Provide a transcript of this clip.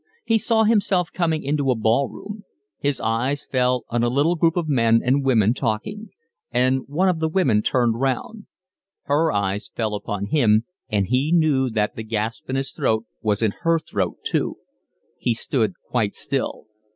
He saw himself coming into a ball room; his eyes fell on a little group of men and women talking; and one of the women turned round. Her eyes fell upon him, and he knew that the gasp in his throat was in her throat too. He stood quite still.